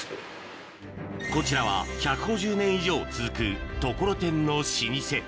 こちらは１５０年以上続くところてんの老舗